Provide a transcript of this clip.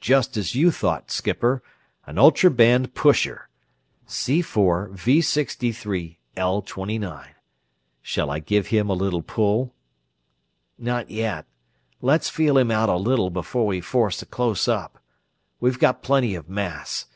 "Just as you thought, Skipper; an ultra band pusher. C4V63L29. Shall I give him a little pull?" "Not yet; let's feel him out a little before we force a close up. We've got plenty of mass.